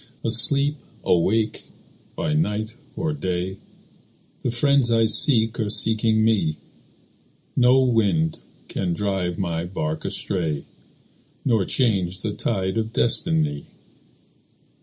Asleep, awake, by night or day The friends I seek are seeking me; No wind can drive my bark astray, Nor change the tide of destiny.